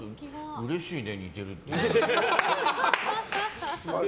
うれしいね、似てるって言われて。